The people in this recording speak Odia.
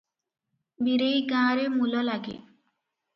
ବୀରେଇ ଗାଁରେ ମୂଲ ଲାଗେ ।